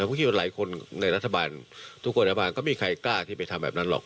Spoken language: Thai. ผมคิดว่าหลายคนในรัฐบาลทุกคนรัฐบาลก็ไม่มีใครกล้าที่ไปทำแบบนั้นหรอก